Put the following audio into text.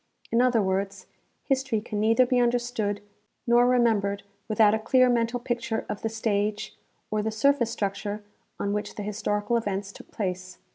In other words, history can neither be understood nor reinembered without a clear mental picture of the stage, or the surface structure, on which the historical events took place.